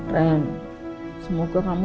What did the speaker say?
reina asgara pasti nunggu saya di rumah